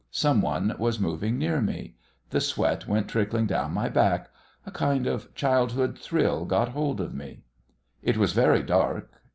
Some one was moving near me. The sweat went trickling down my back. A kind of childhood thrill got hold of me. It was very dark.